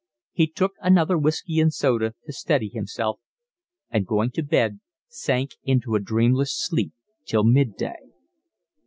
He took another whiskey and soda to steady himself, and going to bed sank into a dreamless sleep till mid day.